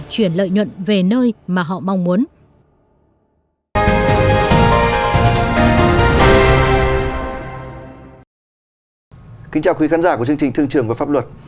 kính chào quý khán giả của chương trình thương trường và pháp luật